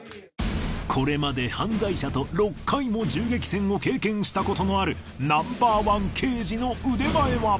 これまで犯罪者と６回も銃撃戦を経験したことのあるＮｏ．１刑事の腕前は？